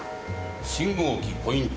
信号機ポイント